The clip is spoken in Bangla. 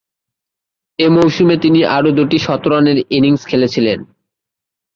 ঐ মৌসুমে তিনি আরও দুইটি শতরানের ইনিংস খেলেছিলেন।